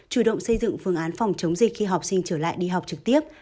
chủ động xây dựng phương án phòng chống dịch khi học sinh trở lại đi học trực tiếp